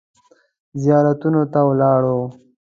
زیارتونو ته ولاړو.